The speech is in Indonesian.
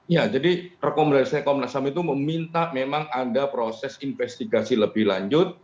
ya jadi rekomendasi komnas ham itu meminta memang ada proses investigasi lebih lanjut